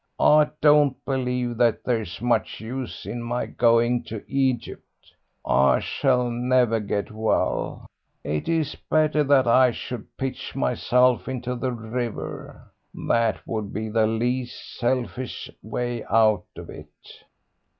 I don't believe that there's much use in my going to Egypt. I shall never get well. It is better that I should pitch myself into the river. That would be the least selfish way out of it."